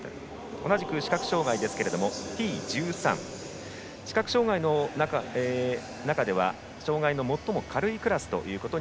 同じく視覚障がいですがＴ１３、視覚障がいの中では障がいの最も軽いクラス。